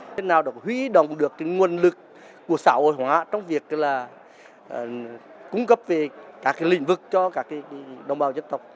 chứ nào đó hủy động được cái nguồn lực của xã hội hóa trong việc là cung cấp về các cái lĩnh vực cho các cái đồng bào dân tộc